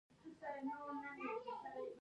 مونږ پر خپله خاوره امن غواړو